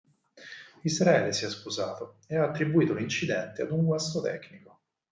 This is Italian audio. Israele si è scusato, e ha attribuito l'incidente ad un guasto tecnico.